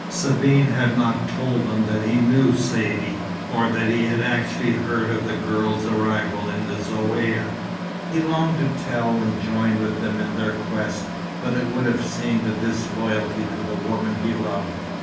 Sabine had not told them that he knew Saidee, or that he had actually heard of the girl's arrival in the Zaouïa. He longed to tell and join with them in their quest; but it would have seemed a disloyalty to the woman he loved.